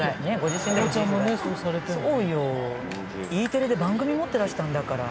Ｅテレで番組持ってらしたんだから。